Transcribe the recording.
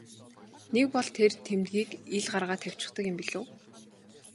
Нэг бол тэр тэмдгийг ил гаргаад тавьчихдаг юм билүү.